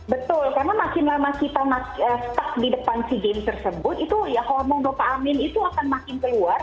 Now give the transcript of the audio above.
betul karena makin lama kita stuck di depan sea games tersebut itu ya hormon dopa amin itu akan makin keluar